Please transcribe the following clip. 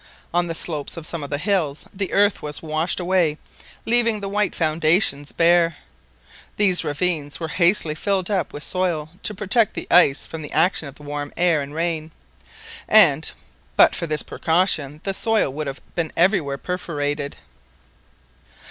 On the slopes of some of the hills the earth was washed away, leaving the white foundations bare. These ravines were hastily filled up with soil to protect the ice from the action of the warm air and rain, and but for this precaution the soil would have been everywhere perforated.